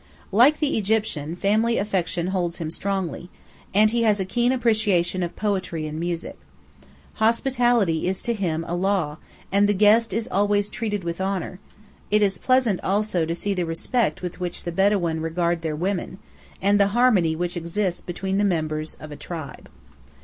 Like the Egyptian, family affection holds him strongly, and he has a keen appreciation of poetry and music. Hospitality is to him a law, and the guest is always treated with honour; it is pleasant also to see the respect with which the Bedawīn regard their women, and the harmony which exists between the members or a tribe.